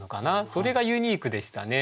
それがユニークでしたね。